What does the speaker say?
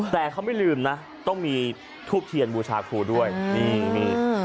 แต่เขาไม่ลืมนะต้องมีทูบเทียนบูชาครูด้วยนี่นี่